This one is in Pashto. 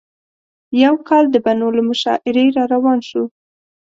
یو کال د بنو له مشاعرې راروان شوو.